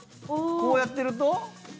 こうやってると。